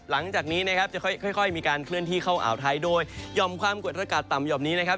หลังจากนี้นะครับจะค่อยมีการเคลื่อนที่เข้าอ่าวไทยโดยห่อมความกดอากาศต่ำห่อมนี้นะครับ